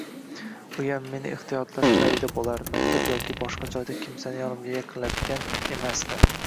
Uyam meni ehtiyotlash payida bo`lar, maktab yoki boshqa joyda kimsani yonimga yaqinlatgan emasdi